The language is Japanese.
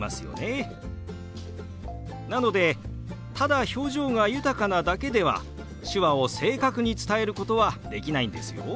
なのでただ表情が豊かなだけでは手話を正確に伝えることはできないんですよ。